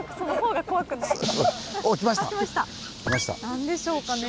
何でしょうかね？